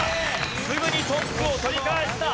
すぐにトップを取り返した！